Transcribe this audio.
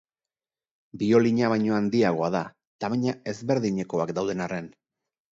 Biolina baino handiagoa da, tamaina ezberdinekoak dauden arren.